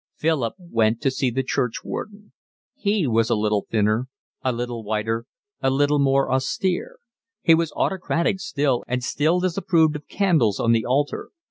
Philip went to see the churchwarden. He was a little thinner, a little whiter, a little more austere; he was autocratic still and still disapproved of candles on the altar.